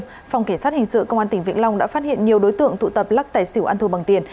phòng kỳ sát hình sự công an tỉnh vĩnh long đã phát hiện nhiều đối tượng tụ tập lắc tài xỉu ăn thua bằng tiền